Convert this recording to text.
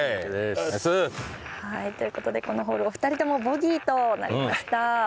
ナイス！という事でこのホールお二人ともボギーとなりました。